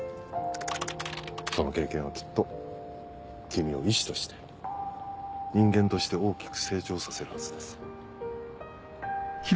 その経験はきっと君を医師として人間として大きく成長させるはずです。